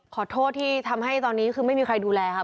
ขอโทษที่ทำให้ตอนนี้คือไม่มีใครดูแลครับ